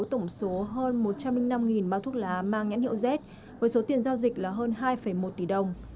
tổng số hơn một trăm linh năm bao thuốc lá mang nhãn hiệu z với số tiền giao dịch là hơn hai một tỷ đồng